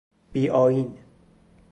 بی آئین